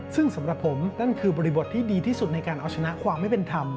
ซึ่งสำหรับผมนั่นคือบริบทที่ดีที่สุดในการเอาชนะความไม่เป็นธรรม